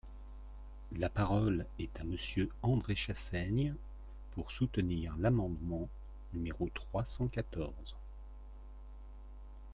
La parole est à Monsieur André Chassaigne, pour soutenir l’amendement numéro trois cent quatorze.